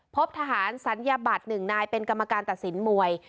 พบทหารศัลยบัตร๑นายเป็นกรรมการตัดสินมวย